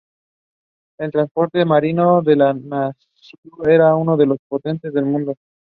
El transporte marítimo de la nación era uno de los más potentes del mundo.